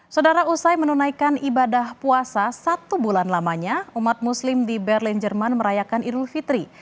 saudara usai menunaikan ibadah puasa satu bulan lamanya umat muslim di berlin jerman merayakan idul fitri